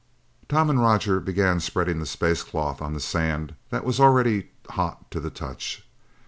Tom and Roger began spreading the space cloth on the sand that was already hot to the touch.